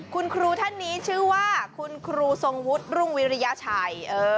คุณครูท่านนี้ชื่อว่าคุณครูทรงวุฒิรุ่งวิริยชัย